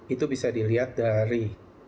itu bisa dilihat dari